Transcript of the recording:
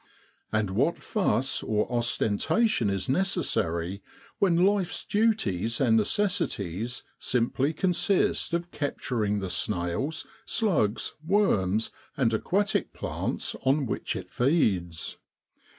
And what fuss or ostentation is necessary when life's duties and necessi ties simply consist of capturing the snails, slugs, worms, and aquatic plants on which it feeds